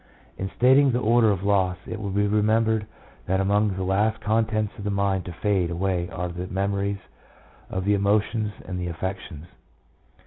In stating the order of loss, it will be remembered that among the last contents of the mind to fade away were the memories of the emotions and the affections.